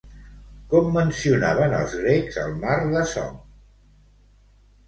Com mencionaven els grecs el mar d'Azov?